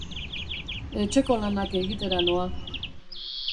Etxeko lanak egitera noa